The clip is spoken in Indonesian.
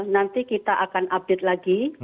nanti kita akan update lagi